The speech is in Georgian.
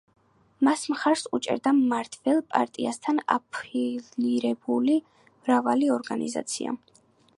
მას მხარს უჭერდა მმართველ პარტიასთან აფილირებული მრავალი ორგანიზაცია.